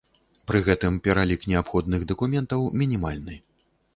Пры гэтым пералік неабходных дакументаў мінімальны.